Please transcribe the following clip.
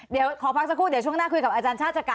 เดี๋ยวขอพักสักครู่เดี๋ยวช่วงหน้าคุยกับอาจารย์ชาติกา